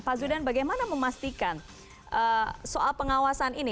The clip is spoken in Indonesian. pak zudan bagaimana memastikan soal pengawasan ini